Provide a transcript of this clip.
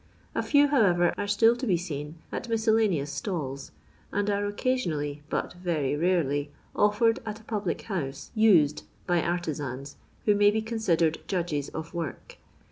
A few, however, are still to be seen at miscellaneous stalls, and are occasion ally, .but very rarely, oflfered at, a public house "used" by artisans who may be considered "judges" of work.